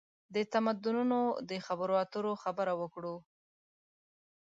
د تمدنونو د خبرواترو خبره وکړو.